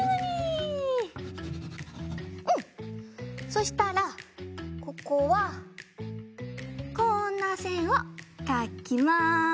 そしたらここはこんなせんをかきます。